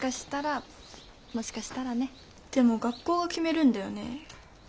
でも学校が決めるんだよね？